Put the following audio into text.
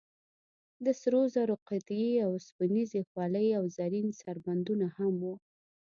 د سرو زرو قطعې، اوسپنیزې خولۍ او زرین سربندونه هم و.